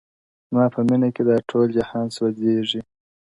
زما په مینه کي دا ټول جهان سوځیږي؛